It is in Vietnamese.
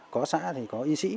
có xã thì có y sĩ